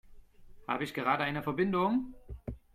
Habe ich gerade eine Verbindung?